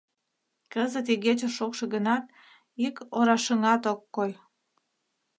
Кызыт игече шокшо гынат, ик орашыҥат ок кой.